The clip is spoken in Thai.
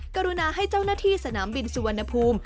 กรุณาให้เจ้าหน้าที่สนามบินสุวรรณภูมิ